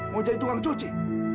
mau jadi tukang cuci